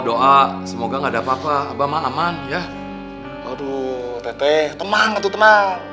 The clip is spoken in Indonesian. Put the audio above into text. udah udah nih bikinin mama kamu teh manis una